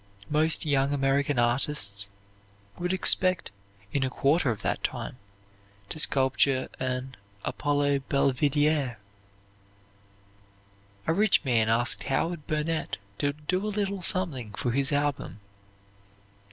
Most young American artists would expect, in a quarter of that time, to sculpture an Apollo Belvidere. A rich man asked Howard Burnett to do a little something for his album.